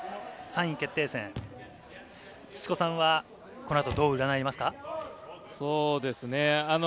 ３位決定戦、土子さんはこの後、どううらないますか？